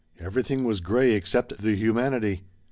Everything was gray except the humanity.